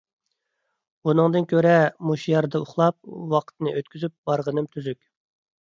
ئۇنىڭدىن كۆرە مۇشۇ يەردە ئۇخلاپ ۋاقىتنى ئۆتكۈزۈپ بارغىنىم تۈزۈك.